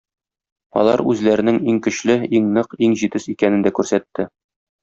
Алар үзләренең иң көчле, иң нык, иң җитез икәнен дә күрсәтте.